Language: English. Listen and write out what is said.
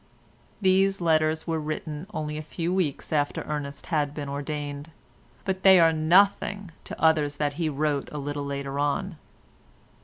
These letters were written only a few weeks after Ernest had been ordained, but they are nothing to others that he wrote a little later on.